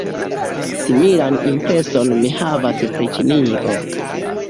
Similan impreson mi havas pri Ĉinio.